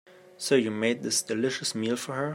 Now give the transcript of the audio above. So, you made this delicious meal for her?